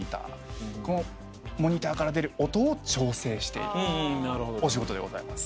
このモニターから出る音を調整しているお仕事です。